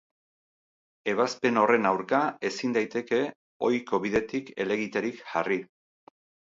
Ebazpen horren aurka ezin daiteke ohiko bidetik helegiterik jarri.